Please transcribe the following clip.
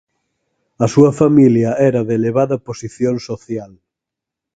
A súa familia era de elevada posición social.